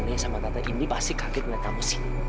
mama nenek sama tata ini pasti kaget melihat kamu sini